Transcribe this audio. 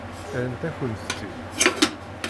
Rrant-akent-t-id.